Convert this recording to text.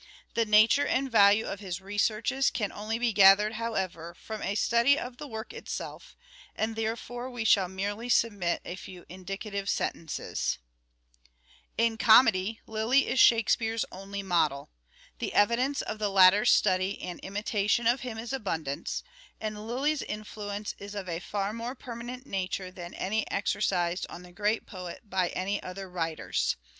The nature and value of his researches can only be gathered, however, from a study of the work itself, and therefore we shall merely submit a few indicative sentences: —* Meres, 1598. 324 " SHAKESPEARE " IDENTIFIED " In comedy, Lyly is Shakespeare's only model : the evidence of the latter's study and imitation of him is abundant, and Lyly's influence is of a far more permanent nature than any exercised on the great poet by any other writers.